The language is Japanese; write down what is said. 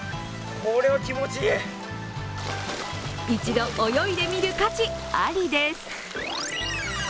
一度、泳いでみる価値ありです。